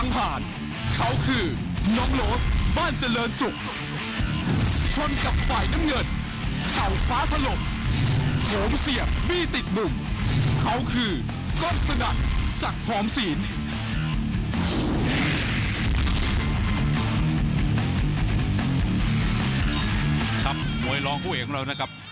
มวยรองผู้เอกของเรานะครับ